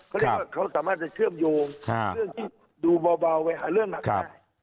เขาเรียกว่าเขาสามารถจะเชื่อมโยงดูเบาไว้หาเรื่องหนักได้